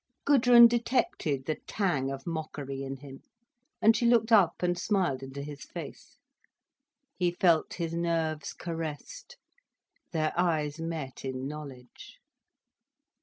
Gudrun detected the tang of mockery in him, and she looked up and smiled into his face. He felt his nerves caressed. Their eyes met in knowledge.